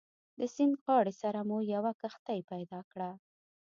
د سیند غاړې سره مو یوه کښتۍ پیدا کړه.